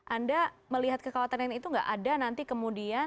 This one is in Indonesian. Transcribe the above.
anda melihat kekhawatiran itu nggak ada nanti kemudian